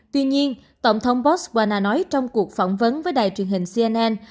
tuy nhiên tổng thống botswana nói trong cuộc phỏng vấn với đài truyền hình cnn